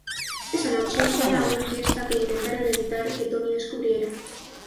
Esa noche, van a una fiesta que intentaron evitar que Tony descubriera.